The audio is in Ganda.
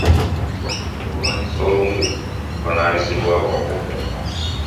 Okulwanyisa olumbe buvunaanyizibwa bwaffe ffenna.